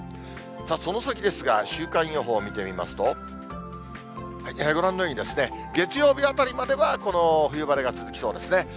さあ、その先ですが、週間予報見てみますと、ご覧のように、月曜日あたりまではこの冬晴れが続きそうですね。